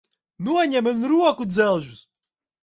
Noņem man rokudzelžus!